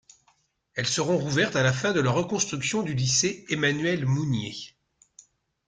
Elles seront rouvertes à la fin de la reconstruction du Lycée Emmanuel Mounier.